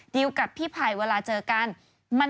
กับพี่ไผ่เวลาเจอกัน